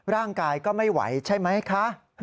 ร่างกายก็ไม่ไหวใช่ไหมคะ